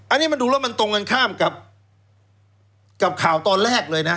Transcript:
อันนี้มันดูแล้วมันตรงกันข้ามกับข่าวตอนแรกเลยนะ